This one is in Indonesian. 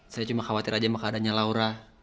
saya cuma khawatir aja sama keadaannya laura